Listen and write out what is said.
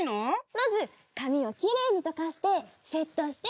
まず髪をきれいにとかしてセットして。